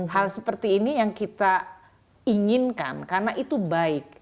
hal seperti ini yang kita inginkan karena itu baik